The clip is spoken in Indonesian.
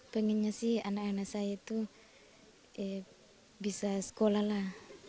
pengennya sih anak anak saya itu bisa sekolah lah